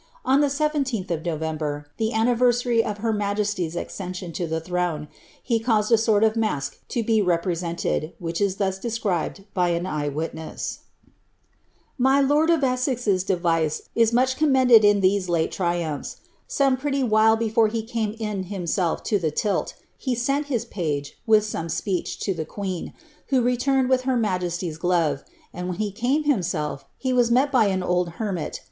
On the I7ih of November, the anniversary of her majesty's accession to the throne, he caused a sort of masque to be represented, which is thai described by an eye witness :'■ My lord of Esses's device is much commended in these late iri timphs ; some pretty while before he came in himself to the tilt, be sent his page, with some speech, to the queen, who returned with her majes ty's glove, and when he came himself, he was met bv an old hermii.